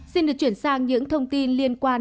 xin được chuyển sang những thông tin liên quan